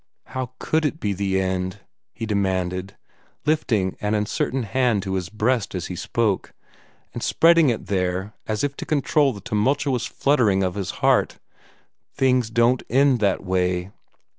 "How COULD it be the end?" he demanded, lifting an uncertain hand to his breast as he spoke, and spreading it there as if to control the tumultuous fluttering of his heart. "Things don't end that way!"